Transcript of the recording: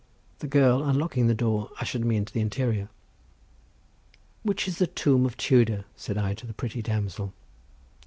The girl, unlocking the door, ushered me into the interior. "Which is the tomb of Tudor?" said I to the pretty damsel.